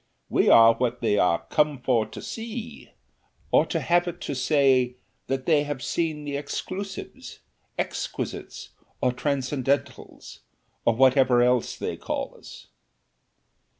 We are what they are 'come for to see,' or to have it to say that they have seen the Exclusives, Exquisites, or Transcendentals, or whatever else they call us."